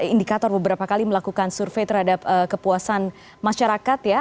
indikator beberapa kali melakukan survei terhadap kepuasan masyarakat ya